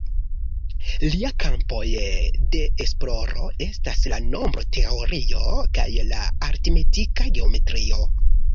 Lia kampoj de esploro estas la nombroteorio kaj la aritmetika geometrio.